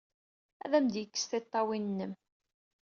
Ad am-d-yekkes tiṭṭawin-nnem!